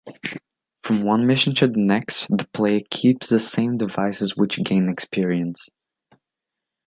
From one mission to the next, the player keeps the same devices which gain experience.